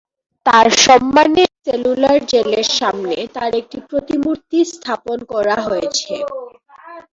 তাঁর সম্মানে সেলুলার জেলের সামনে তার একটি প্রতিমূর্তি স্থাপন করা হয়েছে।